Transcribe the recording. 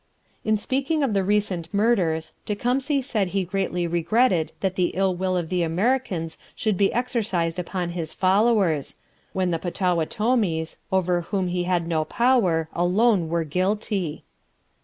In speaking of the recent murders, Tecumseh said he greatly regretted that the ill will of the Americans should be exercised upon his followers, when the Potawatomis, over whom he had no power, alone were guilty.